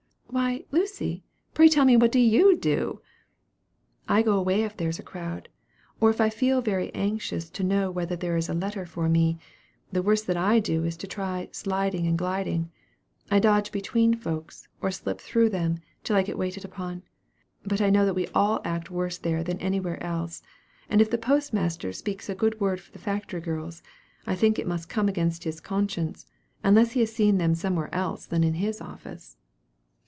"Why, Lucy, pray tell me what you do?" "I go away, if there is a crowd; or if I feel very anxious to know whether there is a letter for me, the worst that I do is to try 'sliding and gliding.' I dodge between folks, or slip through them, till I get waited upon. But I know that we all act worse there than anywhere else; and if the post master speaks a good word for the factory girls, I think it must come against his conscience, unless he has seen them somewhere else than in the office."